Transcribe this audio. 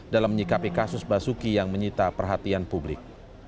dalam menyikapi kasus basuki yang menyita perhatian publik